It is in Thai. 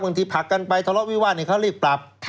บางทีผลักกันไปทะเลาะวิวัตเนี่ยเขารีบปรับ